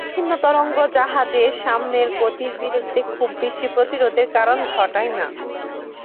বিচ্ছিন্ন তরঙ্গ জাহাজের সামনের গতির বিরুদ্ধে খুব বেশি প্রতিরোধের কারণ ঘটায় না।